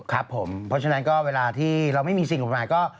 ครับพอฉะนั้นเวลาที่เราไม่มีสิ่งประมาณก็